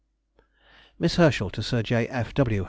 MISS HERSCHEL TO SIR J. F. W.